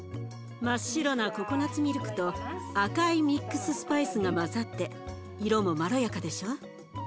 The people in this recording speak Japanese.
真っ白なココナツミルクと赤いミックススパイスが混ざって色もまろやかでしょ？